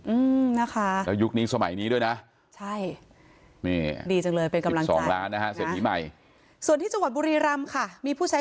อืมนะคะแล้วยุคนี้สมัยนี้ด้วยนะใช่นี่ดีจังเลยเป็นกำลังสองล้านนะฮะเศรษฐีใหม่ส่วนที่จังหวัดบุรีรำค่ะมีผู้ใช้